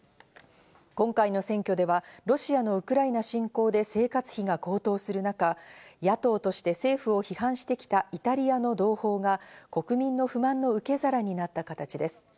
今回の選挙ではロシアのウクライナ侵攻で生活費が高騰する中、野党として政府を批判してきた「イタリアの同胞」が国民の不満の受け皿になった形です。